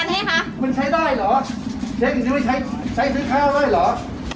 มันใช้ได้เหรอใช้ซื้อข้าวได้เหรอ